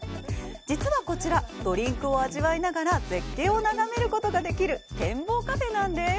実はこちら、ドリンクを味わいながら絶景を眺めることができる展望カフェなんです。